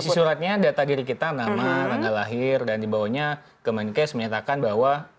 iya isi suratnya data diri kita nama tanggal lahir dan di bawahnya kemenkes menyatakan bahwa